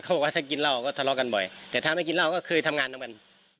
บอกว่าถ้ากินเหล้าก็ทะเลาะกันบ่อยแต่ถ้าไม่กินเหล้าก็เคยทำงานทั้งวัน